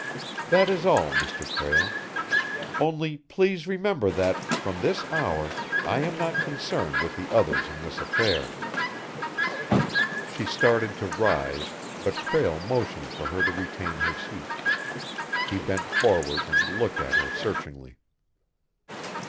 That is all, Mr. Prale. Only please remember that, from this hour, I am not concerned with the others in this affair." She started to rise, but Prale motioned for her to retain her seat. He bent forward and looked at her searchingly.